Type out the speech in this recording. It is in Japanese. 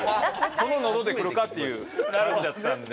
そののどでくるか？っていう感じやったんで。